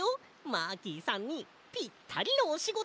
マーキーさんにぴったりのおしごと。